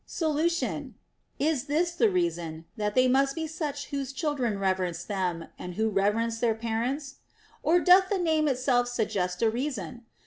Solution. Is this the reason, that they must be such whose children reverence them, and who reverence their parents ] Or doth the name itself .suggest a reason